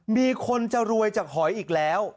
มีคนจะรวยจากหอยอีกแล้ว